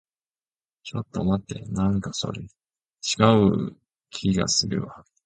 ちょっと待って。なんかそれ、違う気がするわ。